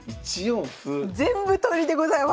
全部取りでございます。